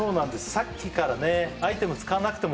さっきからねアイテム使わなくても